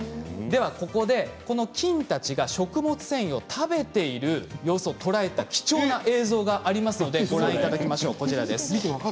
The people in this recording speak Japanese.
ここで菌たちが食物繊維を食べている様子をとらえた貴重な映像がありますのでご覧いただきましょう。